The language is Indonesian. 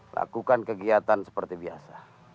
lakukan kegiatan seperti biasa